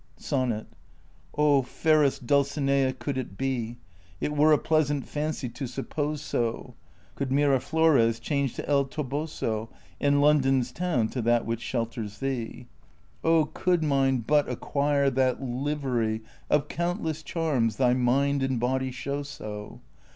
SONNET. Oh, fairest Dulcinea, could it be ! It were a pleasant fancy to suppose so — Could Miraflores change to El Toboso, And London's town to that which shelters thee ! Oh, could mine but acquire that livery Of countless charms thy mind and body show so